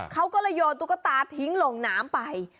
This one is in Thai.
เขาก็เลยโยนตุ๊กตาทิ้งลงน้ำไป